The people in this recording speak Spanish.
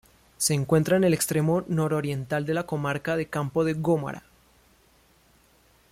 Se encuentra en el extremo nororiental de la Comarca de Campo de Gómara.